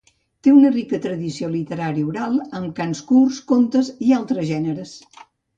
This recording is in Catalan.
Té una rica tradició literària oral, amb cants curts, comtes i altres gèneres.